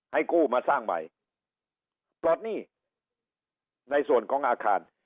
กู้มาสร้างใหม่ปลดหนี้ในส่วนของอาคาร